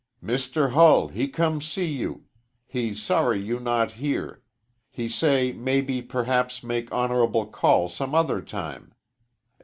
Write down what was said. Mr. Hull he come see you. He sorry you not here. He say maybe perhaps make honorable call some other time.